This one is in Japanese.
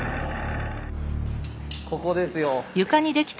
ここですよ。